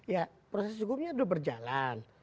ya proses hukumnya sudah berjalan